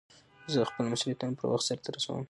زه خپل مسئولیتونه پر وخت سرته رسوم.